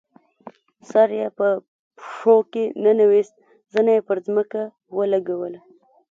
سر یې په پښو کې ننویست، زنه یې پر ځمکه ولګوله.